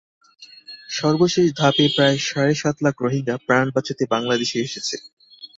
সর্বশেষ ধাপে প্রায় সাড়ে সাত লাখ রোহিঙ্গা প্রাণ বাঁচাতে বাংলাদেশে এসেছে।